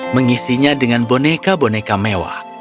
mengisinya dengan boneka boneka mewah